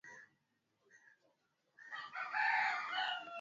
mkulima atapata mavuno mazuri na soko la bidha akijiunga na vikundi vya wakulima